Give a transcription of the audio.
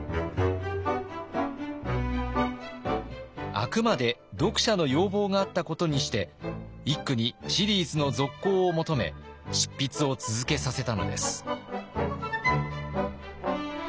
あくまで読者の要望があったことにして一九にシリーズの続行を求め執筆を続けさせたのです。